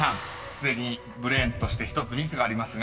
すでにブレーンとして１つミスがありますが］